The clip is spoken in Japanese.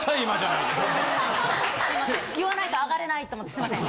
言わないと上がれないと思ってすいません。